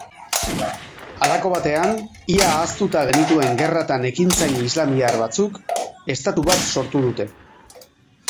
Halako batean ia ahaztuta genituen gerratan ekintzaile islamiar batzuk estatu bat sortu dute.